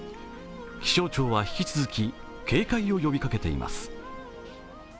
気象庁は引き続き警戒を呼びかけています。